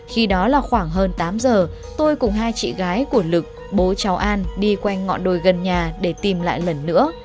khi đó là khoảng hơn tám giờ tôi cùng hai chị gái của lực bố cháu an đi quanh ngọn đồi gần nhà để tìm lại lần nữa